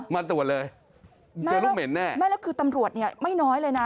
มาตรวจเลยเจอลูกเหม็นแน่ไม่แล้วคือตำรวจเนี่ยไม่น้อยเลยนะ